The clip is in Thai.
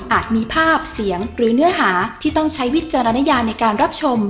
มีภาพเสียงหรือเนื้อหาที่ต้องใช้วิจารณญาในการรับชม